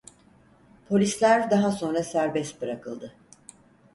Polisler daha sonra serbest bırakıldı.